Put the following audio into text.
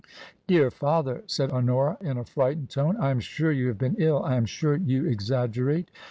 "Dear father," said Honora, in a frightened tone, " I am sure you have been ill. I am sure you exag gerate."